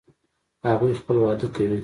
هغوی خپل واده کوي